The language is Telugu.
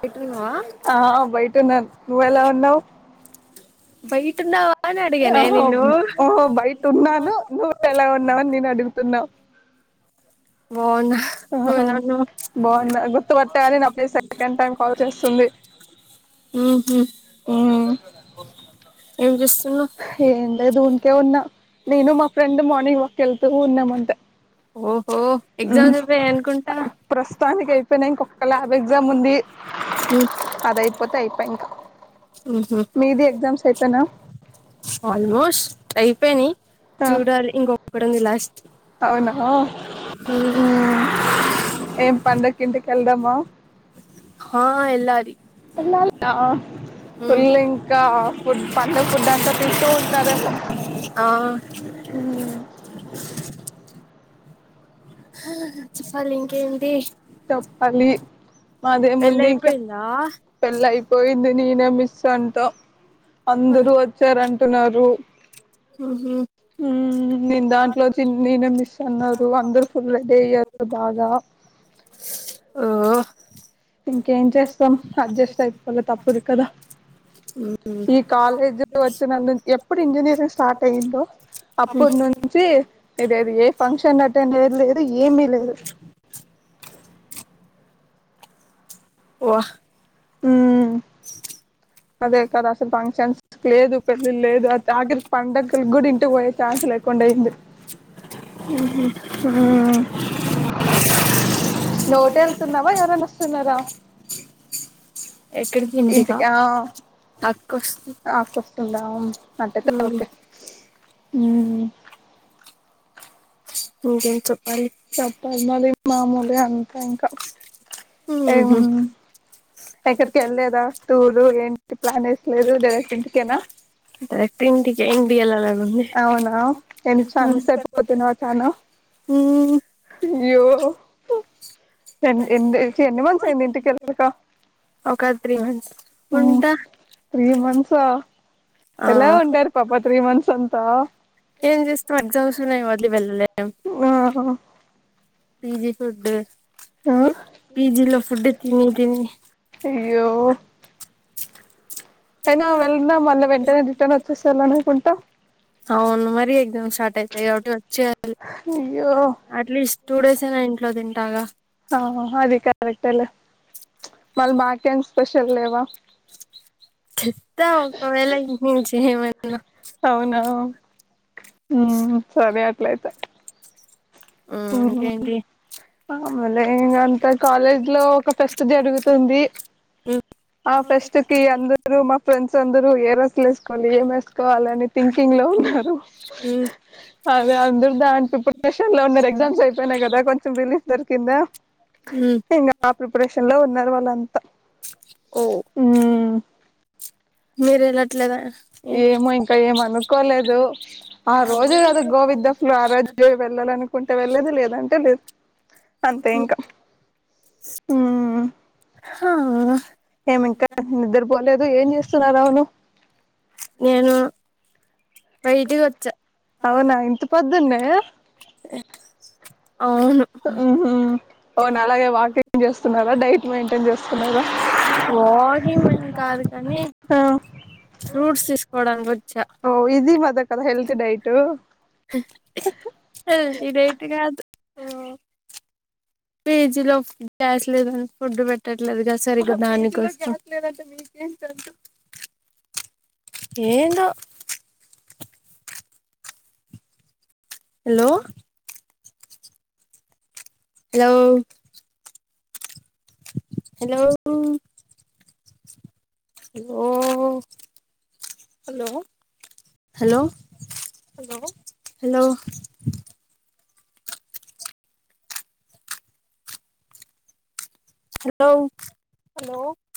బయటున్నావా ఆ బయటన్నాన్ నువ్వెలా ఉన్నావ్ బయటున్నావా అని అడిగానే ఆహో నిన్ను ఓహో బయట ఉన్నాను నువ్వు ఎలా ఉన్నావని నేను అడుగుతున్నావ్ బావున్న నువ్వు ఆహా ఎలా ఉన్నావ్ బాగున్నా గుర్తుపట్టావని నా ప్లేస్ సెకండ్ టైం కాల్ చేస్తుంది ఉమ్ చేస్తున్నావ్ ఏం లేదు ఊన్ కే ఉన్నా నేను మా ఫ్రెండ్ మార్నింగ్ వాక్ వెళ్తూ ఉన్నాము అంతే ఓ ఓ ఉమ్ ఎగ్జామ్ అయిపెయ్ అనుకుంటా ప్రస్తుతానికి అయిపోయినా ఇంకొక ల్యాబ్ ఎగ్జామ్ ఉంది అది అయిపోతే అయిపోయి ఇంకా ఉహు మీది ఎగ్జామ్స్ అయిపాయిన ఉష్ ఐపోయినయ్ చూడాలి ఇంకో పుడు ఉంది లాస్ అవునా హ్మ్ ఏం పండక్కి ఇంటికెళ్దామా లాది వెళ్లాలి రా ఫుల్ ఇంకా ఫుడ్ పండగ ఫుడ్ అంతా తింటూ ఉంటారేమో ఆ ఆ చెప్పాలి ఇంకేంటి చెప్పాలి మాదే పెళ్ళి ముంది ఇంకా అయిపోయిందా పెళ్లి అయిపోయింది నేనే మిస్ అంట అందరూ వచ్చారంటున్నారు ఉహు హ్మ్ నేను దాంట్లోచి నేనే మిస్ అన్నారు అందరూ ఫుల్ రెడీ అయ్యారు బాగా ఓ ఇంకేం చేస్తాం అడ్జస్ట్ అయిపోలే తప్పదు కదా ఈ కాలేజ్ వచ్చినందు ఎప్పుడు ఇంజ ఇంజనీరింగ్ స్టార్ట్ అయిందో అప్పుడు నుంచి ఇదేది ఏ ఫంక్షన్ అటెండ్ లే లేదు ఏమి లేదు వా హ్మ్ అదే కద అసలు ఫంక్షన్స్ లేదు పెళ్ళిళ లేదు ఆకరికి పండగలు కూడా ఇంటికి పోయే ఛాన్స్ లేకుండా అయింది ఆ నువ్వు ఒకటే ఎళ్తున్నావా ఎవరన్నా వస్తున్నారా ఎక్కడికి ఇంటికా ఇంటికి ఆ అక్క వస్తుంది అక్క వస్తుందా అట్లైతే ఒకే హ్మ్మ్ ఇంకేం చెప్ తప్పదు మరి మామూలు అంత ఇంకా ఏం ఉహు ఎక్కడికి వెళ్లలేదా టూర్ ఏంటి ప్లాన్ వేస్తాలేదు డైరెక్ట్ ఇంటికేనా డైరెక్ట్ ఇంటికి ఇంటికి వెళ్ళాలని ఉంది అవునా నేను చానా మిస్ ఐపోతున్నా చానా అయ్యో ఎన్ ఎన్ని ఎన్ని మంత్స్ అయింది ఇంటికి వెళ్ళక ఒక త్రీ మంత్స్ ఉంట త్రీ మంత్సా ఆ ఎలా ఉండారు పాప త్రీ మంత్స్ అంతా ఏం చేస్తాం ఎగ్జామ్స్ ఉన్నాయ్ వదిలి వెళ్ళలేం ఆ పీజీ ఫుడ్ ఆ పీజీలో ఫుడ్ తిని తిని అయ్యో ఐన వెళ్న్నా మళ్ళ వెంటనే రిటర్న్ వచ్చ వెళ్ళనీకుంట అవును మరి ఎగ్జామ్స్ అట్టైతే [unintelligible] వచ్చే అయ్యో అట్లీస్ట్ టూ డేస్ అయినా ఇంట్లో తింటాగా ఆహా అది కరెక్ట్ లే మళ్ళీ మాకేం స్పెషల్ లేవా చెప్తా ఒకవేళ ఇంటి నుంచి ఏమైనా అవునా సరే అ లయిత ఇంకేంటి ఆ మళ ఇంకంతే కాలేజ్ లో ఒక ఫెస్ట్ జరుగుతుంది ఆ ఫెస్ట్ కి అందరుూ మా ఫ్రెండ్స్ అందరూ [unintelligible] అదా ఏం వేసుకోవాలిని థింకింగ్ లో ఉన్నారు అద అందరు దాని ప్రిపరేషన్ లో ఉన్నారు ఎగ్జామ్స్ ఐపోయినాయ్ కదా కొంచెం రిలీఫ్ దొరికిందా ఇంక ప్రిపరేషన్లా ఉన్నర్వాల ఇంతే మ్మ్ మీరేలా అట్లేగా ఏమో ఇంకా ఏమి అనుకోలేదు ఆ రోజు కదా గోవిద్ద ఫ్లు ఆ రోజు వెళ్ళాలను కుంటే వెళ్లేది లేదంటే లేదు అంతే ఇంకా. హా. ఏమింకా నిద్రపోలేదు ఏం చేస్తున్నారుా అవును. నేను. బైటిగ్. అవునా ఇంత పొద్దునే. అవును అవున్ అలాగే వాకింగ్ చేస్తున్నారా డైట్ మెయింటైన్ చేస్తున్నారా వాకింగ్ ఏం కాదు కానీ ఆ ఫ్రూట్స్ తీసుకోవడానికి వచ్చా ఓ ఇద్. ఇది మాదేకద హెల్త్ డైట్. ఉమ్. ఫేజిలో డాస్లేదని ఫుడ్ పెట్టట్లేదు గా సరిగా దానికోసం. ఏదో. హలో. హలో. హలావ్ లో హలో హలో. హలో.